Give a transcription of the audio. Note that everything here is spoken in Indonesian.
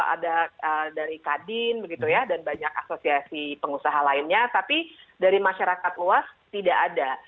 ada dari kadin begitu ya dan banyak asosiasi pengusaha lainnya tapi dari masyarakat luas tidak ada